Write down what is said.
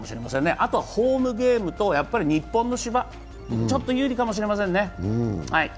あとはホームゲームと日本の芝、ちょっと有利かもしれませんね。